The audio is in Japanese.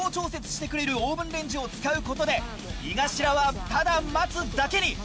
してくれるオーブンレンジを使うことで井頭はただ待つだけに！